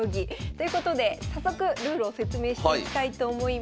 ということで早速ルールを説明していきたいと思います。